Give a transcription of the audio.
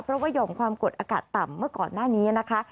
เพราะว่ายอมความกดอากาศต่ำเมื่อก่อนหน้านี้นะคะ